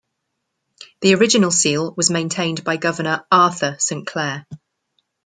The original seal was maintained by Governor Arthur Saint Clair.